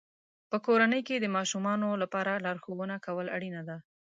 په کورنۍ کې د ماشومانو لپاره لارښوونه کول اړینه ده.